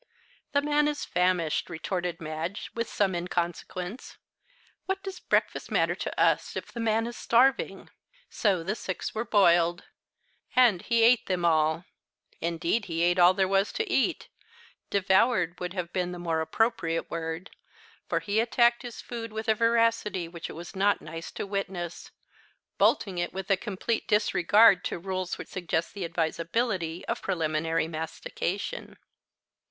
"The man is famished," retorted Madge with some inconsequence. "What does breakfast matter to us if the man is starving." So the six were boiled. And he ate them all. Indeed he ate all there was to eat devoured would have been the more appropriate word. For he attacked his food with a voracity which it was not nice to witness, bolting it with a complete disregard to rules which suggest the advisability of preliminary mastication.